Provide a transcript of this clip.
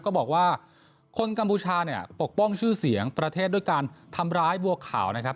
ก็บอกว่าคนกัมพูชาเนี่ยปกป้องชื่อเสียงประเทศด้วยการทำร้ายบัวขาวนะครับ